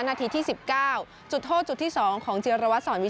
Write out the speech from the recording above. นาทีที่สิบเก้าจุดโทษจุดที่สองของเจียรวรรดิสอนวิเชียน